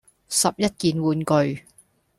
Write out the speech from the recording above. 十一件玩具